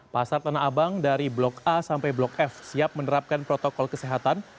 pasar tanah abang dari blok a sampai blok f siap menerapkan protokol kesehatan